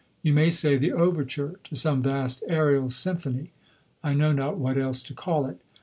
You may say the overture to some vast aerial symphony; I know not what else to call it.